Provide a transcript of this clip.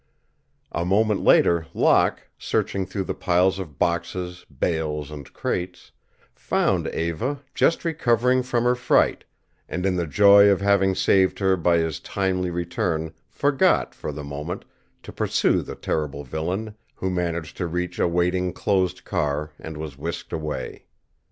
A moment later Locke, searching through the piles of boxes, bales, and crates, found Eva, just recovering from her fright, and in the joy of having saved her by his timely return forgot, for the moment, to pursue the terrible villain, who managed to reach a waiting closed car and was whisked away.